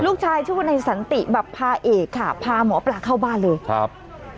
ชื่อว่าในสันติแบบพาเอกค่ะพาหมอปลาเข้าบ้านเลยครับ